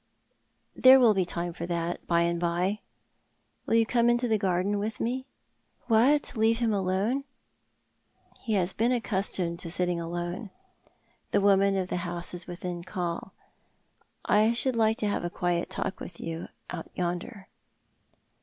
" There will be time for that by and by. Will you come into the garden with me "" What, leave him alone ?"" He has been accustomed to sitting alone. The woman of the house is within call. I should like to have a quiet talk with you out ytmder."